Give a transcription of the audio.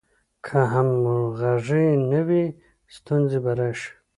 که همغږي نه وي، ستونزې به راشي.